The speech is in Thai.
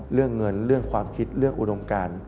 เรื่องเงินเรื่องความคิดเรื่องอุดมการ